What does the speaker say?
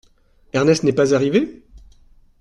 Ernest n’est pas arrivé ?…